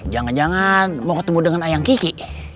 jangan jangan mau ketemu dengan ayah kiki